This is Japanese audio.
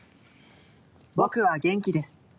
「僕は元気です」